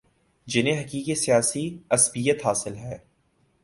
جنہیں حقیقی سیاسی عصبیت حاصل ہے